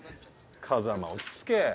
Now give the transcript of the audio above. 風真落ち着け